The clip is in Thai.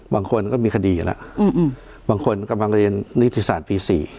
บางคนก็มีคดีแล้วอืมอืมบางคนกำลังเรียนนิติศาสตร์ปีสี่